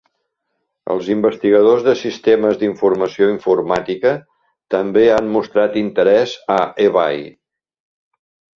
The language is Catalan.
Els investigadors de sistemes d'informació informàtica també han mostrat interès a eBay.